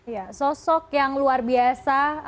ya sosok yang luar biasa